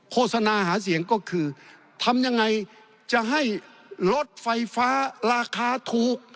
โฆษณาหาเสียงก็คือทำยังไงจะให้รถไฟฟ้าราคาถูก